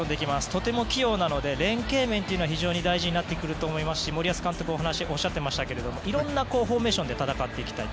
とても器用なので連係面が非常に大事になってくると思いますし森保監督もおっしゃっていましたがいろんなフォーメーションで戦っていきたい